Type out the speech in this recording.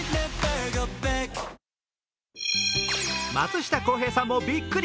松下洸平さんもびっくり。